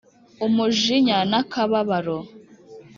umujinya n' akababaro